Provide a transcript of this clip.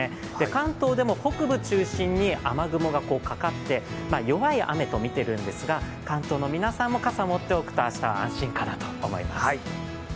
関東でも北部を中心に雨雲がかかって、弱い雨とみているんですが、関東の皆さんも傘を持っておくと明日は安心かなと思います。